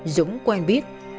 dũng quen biết